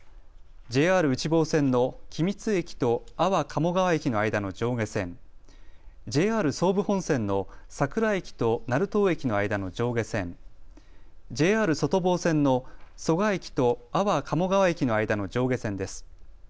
ＪＲ内房線の君津駅と安房鴨川駅の間の上下線、ＪＲ総武本線の佐倉駅と成東駅の間の上下線、ＪＲ外房線の蘇我駅と安房鴨川駅の間の上下線です。